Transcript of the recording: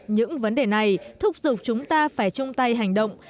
những vấn đề này thúc giục chúng ta phải chung tay hành động